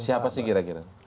siapa sih kira kira